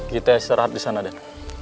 kita istirahat disana raden